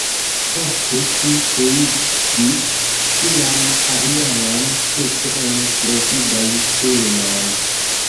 Poste, ŝi pluigis sian karieron ĉefe en televidaj filmoj.